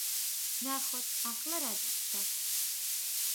ვნახოთ ახლა რა დარჩა.